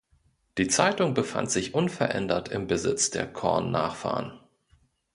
Die Zeitung befand sich unverändert im Besitz der Korn-Nachfahren.